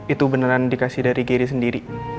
itu beneran dikasih dari diri sendiri